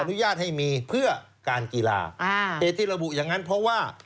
อุญาตให้มีเพื่อการกีฬาอ่าเหตุที่ระบุอย่างนั้นเพราะว่า